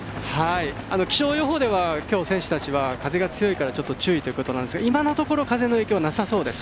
気象予報ではきょう、選手たちは風が強いから注意ということなんですが今のところ